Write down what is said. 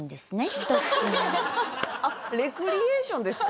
１つのレクリエーションですか？